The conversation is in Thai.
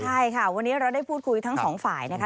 ใช่ค่ะวันนี้เราได้พูดคุยทั้งสองฝ่ายนะคะ